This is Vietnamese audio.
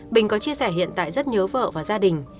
bình có chia sẻ hiện tại rất nhớ vợ và gia đình